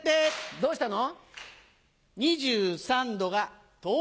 どうしたの？